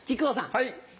はい。